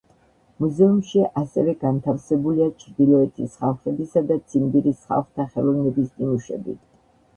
მუზეუმში ასევე განთავსებულია ჩრდილოეთის ხალხებისა და ციმბირის ხალხთა ხელოვნების ნიმუშები.